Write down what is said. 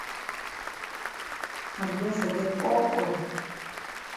I be don forget all all.